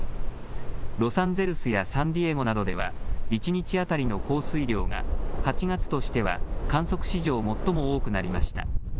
ロサンゼルスやサンディエゴなどでは、１日当たりの降水量が、８月としては、観測史上最も多くなりました。